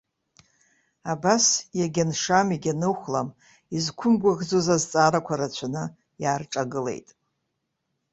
Абас иагьаншам иагьаныхәлам изқәымгәыӷӡоз азҵаарақәа рацәаны иаарҿагылеит.